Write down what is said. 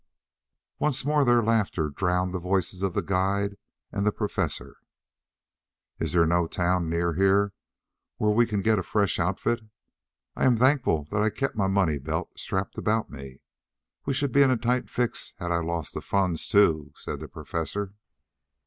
Once more their laughter drowned the voices of the guide and the Professor. "Is there no town near here where we can get a fresh outfit? I am thankful that I kept my money belt strapped about me. We should be in a tight fix, had I lost the funds, too," said the Professor.